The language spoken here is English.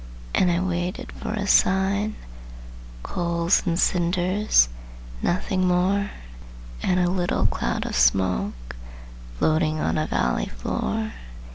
And I waited for a sign; Coals and cinders, nothing more; And a little cloud of smoke Floating on a valley floor.